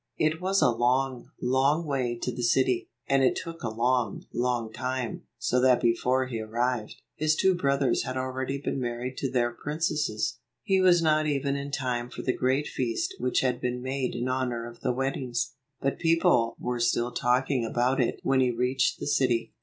154 It was a long, long way to the city, and it took a long, long time, so that before he arrived, his two brothers had already been married to their princesses. He was not even in time for the great feast which had been made in honor of the weddings, but people were still talking about it when he reached the city.